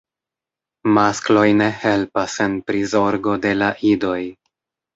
Maskloj ne helpas en prizorgo de la idoj.